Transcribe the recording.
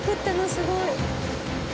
すごい。